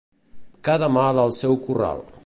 Cada mal al seu corral.